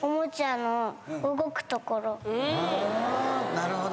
なるほど。